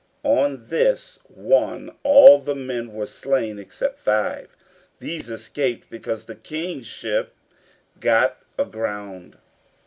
On this one all the men were slain except five; these escaped because the King's ship got aground.